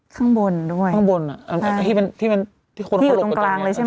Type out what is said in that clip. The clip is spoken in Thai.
ข้างบนด้วยข้างบนอ่ะที่มันที่มันที่คนที่อยู่ตรงกลางเลยใช่ไหม